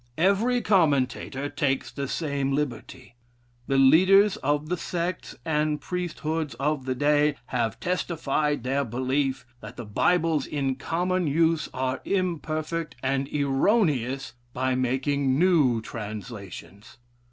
Every commentator takes the same liberty. The leaders of the sects and priesthoods of the day have testified their belief that the Bibles in common use are imperfect and erroneous by making new translations.